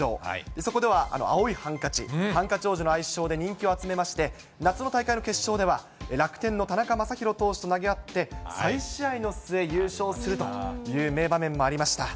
そこでは青いハンカチ、ハンカチ王子の愛称で人気を集めまして、夏の大会の決勝では楽天の田中将大投手と投げ合って、再試合の末優勝するという名場面もありました。